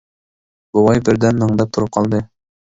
بوۋاي بىر دەم مەڭدەپ تۇرۇپ قالدى.